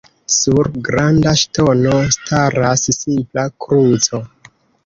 Sur Granda ŝtono staras simpla kruco.